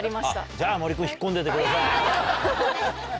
じゃあ森君引っ込んでてください。